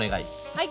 はい。